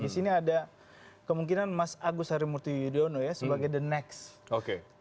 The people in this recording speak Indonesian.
di sini ada kemungkinan mas agus harry murthy yudhoyono sebagai the next